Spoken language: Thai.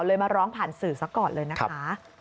เลยมาร้องผ่านสื่อสักก่อนเลยนะครับ